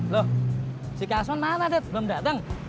loh si kason mana belum datang